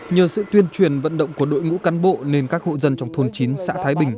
nhờ sự tuyên truyền vận động của đội ngũ cán bộ nên các hộ dân trong thôn chín xã thái bình